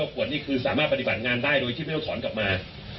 ขวดนี่คือสามารถปฏิบัติงานได้โดยที่ไม่ต้องถอนกลับมา